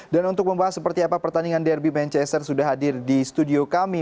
dan untuk membahas seperti apa pertandingan derby manchester sudah hadir di studio kami